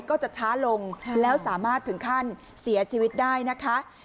ก็จะช้าลงแล้วสามารถถึงขั้นเสียชีวิตได้นะคะ